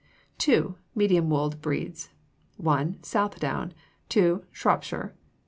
Medium Wooled Breeds 1. Southdown. 2. Shropshire.